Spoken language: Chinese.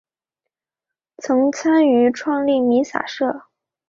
曾参与创立弥洒社。